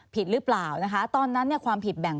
ผิดหรือเปล่าตอนนั้นความผิดแบ่ง